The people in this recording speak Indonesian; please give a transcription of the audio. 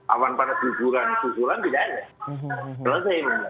awan panas guguran susulan tidak ada selesai